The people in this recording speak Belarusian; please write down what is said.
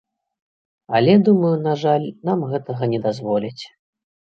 Але, думаю, на жаль, нам гэтага не дазволяць.